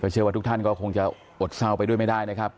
เชื่อว่าทุกท่านก็คงจะอดเศร้าไปด้วยไม่ได้นะครับ